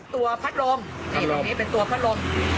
ตัวพัดลมนี่ตรงนี้เป็นตัวพัดลม